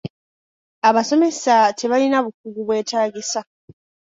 Abasomesa tebalina bukugu bweetaagisa.